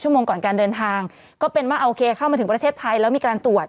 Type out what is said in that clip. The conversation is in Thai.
โมงก่อนการเดินทางก็เป็นว่าโอเคเข้ามาถึงประเทศไทยแล้วมีการตรวจ